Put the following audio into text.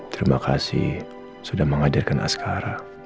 terima kasih sudah menghadirkan askara